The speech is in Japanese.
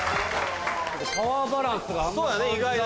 パワーバランスがあんな感じ。